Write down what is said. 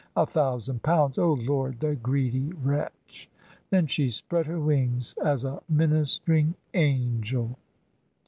A thousand pounds! Oh, Lord! The greedy wretch!" Then she spread her wings as a ministering angel.